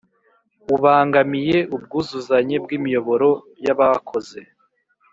Ubangamiye ubwuzuzanye bw’ imiyoboro y’abakoze